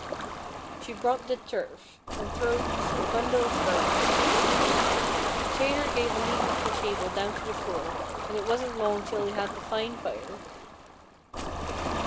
She brought the turf, and throws a bundle of fern on it. The tailor gave a leap off the table down to the floor, and it wasn't long till he had the fine fire.